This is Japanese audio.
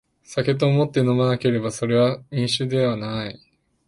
酒と思って飲まなければそれは飲酒ではない